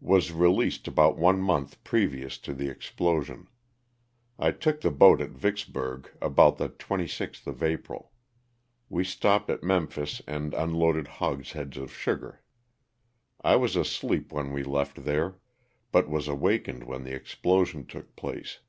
Was released about one month previous to the explosion. I took the boat at Vicks burg, about the 26th of April. We stopped at Memphis and unloaded hogsheads of sugar. I was asleep when we left there, but was awakened when the explosion took place.